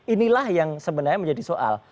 inilah yang sebenarnya menjadi soal